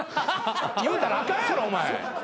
言うたらあかんやろお前。